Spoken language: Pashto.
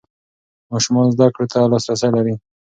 ماشومان زده کړو ته لاسرسی لري.